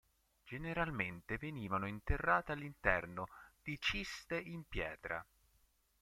Generalmente venivano interrate all'interno di ciste in pietra.